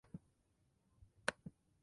Se distribuye en planta baja y tres pisos.